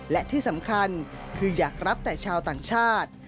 และที่สำคัญคืออยากรับแต่ชาวต่างชาติ